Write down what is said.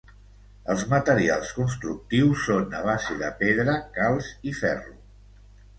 Els materials constructius són a base de pedra, calç i ferro.